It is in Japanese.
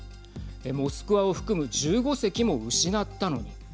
モスクワを含む１５隻も失ったのに。